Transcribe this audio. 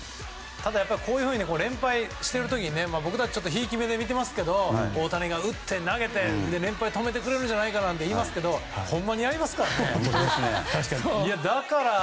ただ、こういうふうに連敗している時に僕たちちょっとひいき目で見てますけど大谷が打って投げて連敗を止めてくれるんじゃないかと言いますけど本当にやりますからね。